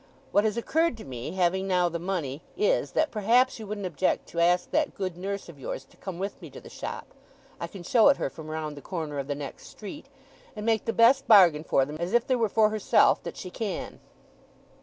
What has occurred to me, having now the money, is, that perhaps you wouldn't object to ask that good nurse of yours to come with me to the shop I can show it her from round the corner of the next street and make the best bargain for them, as if they were for herself, that she can!